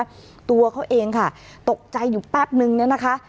ตัวเขาเองค่ะตกใจอยู่แป๊บนึงเนี่ยนะคะ